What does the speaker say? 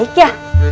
semoga baik ya